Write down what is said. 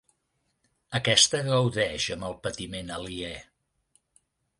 Aquesta gaudeix amb el patiment aliè.